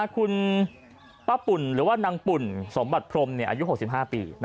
คุณป้าปุ่นหรือว่านางปุ่นสมบัติพรมอายุ๖๕ปี